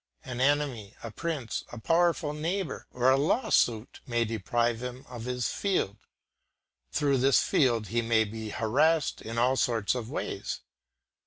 An enemy, a prince, a powerful neighbour, or a law suit may deprive him of his field; through this field he may be harassed in all sorts of ways.